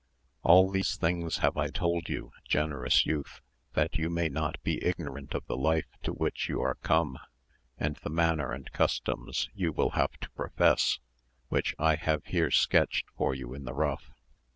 "All these things have I told you, generous youth, that you may not be ignorant of the life to which you are come, and the manners and customs you will have to profess, which I have here sketched for you in the rough.